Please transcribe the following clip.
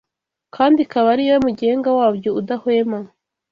kandi ikaba ari yo mugenga wabyo udahwema